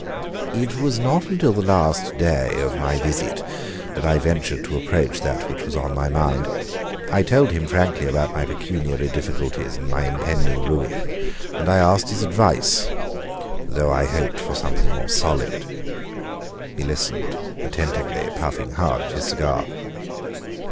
It was not until the last day of my visit that I ventured to approach that which was on my mind. I told him frankly about my pecuniary difficulties and my impending ruin, and I asked his advice though I hoped for something more solid. He listened attentively, puffing hard at his cigar.